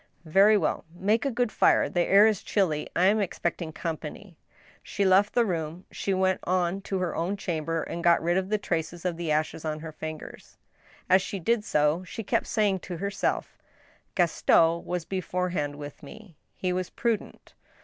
" Very well. Make a good fire. The air is chilly. I am expect ing company." She left the room. She went to her own chamber and got rid of the traces of the ashes on her fingers. As she did so, she kept saying to herself : "Gaston was beforehand with me. He was prudent.